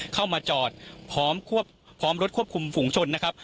เข้ามาจอดพร้อมรถควบคุมฝุงชนนะครับ